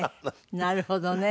なるほどね。